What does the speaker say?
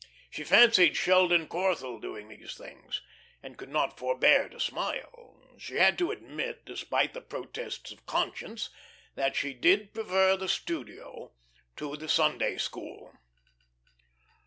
She fancied Sheldon Corthell doing these things, and could not forbear to smile. She had to admit, despite the protests of conscience, that she did prefer the studio to the Sunday school.